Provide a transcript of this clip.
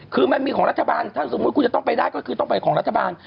คือมันมีของรัฐบาลถ้าสมมุติคุณจะต้องไปได้ก็คือต้องไปของรัฐบาล